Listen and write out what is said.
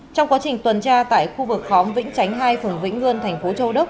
trong quá trình tuần tra tại khu vực khóm vĩnh chánh hai phường vĩnh ngươn thành phố châu đốc